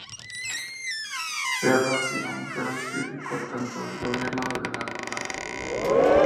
Serra ha sido un feroz crítico tanto del gobierno de Lula.